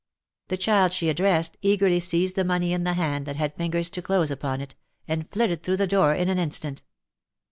The child she addressed, eagerly seized the money in the hand that had fingers to close upon it, and flitted through the door in an instant.